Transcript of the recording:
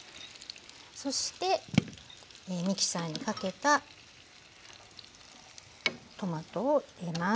そしてミキサーにかけたトマトを入れます。